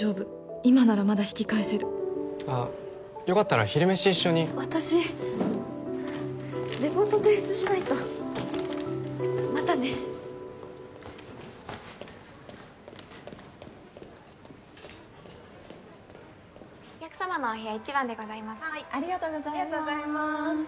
今ならまだ引き返せるあっよかったら昼飯一緒に私レポート提出しないとまたねお客様のお部屋１番でございますありがとうございますありがとうございます